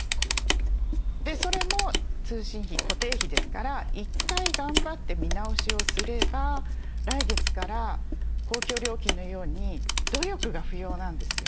それも通信費固定費ですから１回頑張って見直しをすれば来月から公共料金のように努力が不要なんですよ。